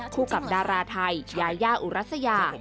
คู่กับดาราไทยยายาอุรัสยา